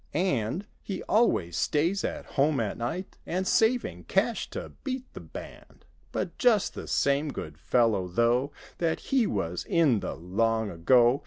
And He always stays at home at night. And saving cash to beat the band; But just the same good fellow though That he was in the long ago.